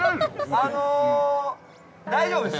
◆あのー、大丈夫です。